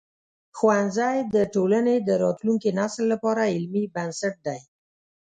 ښوونځی د ټولنې د راتلونکي نسل لپاره علمي بنسټ دی.